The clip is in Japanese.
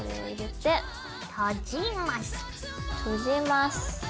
閉じます。